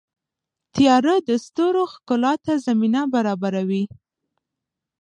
• تیاره د ستورو ښکلا ته زمینه برابروي.